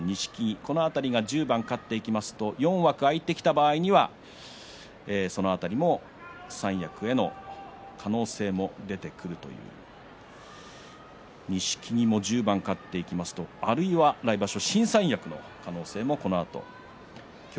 この辺りは１０番勝っていきますと４枠空いてきた場合には三役に上がる可能性も出てくると錦木、１０番勝っていきますとあるいは来場所の新三役の可能性があります。